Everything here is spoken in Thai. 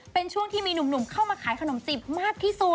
เป็นช่วงที่มีหนุ่มเข้ามาขายขนมจีบมากที่สุด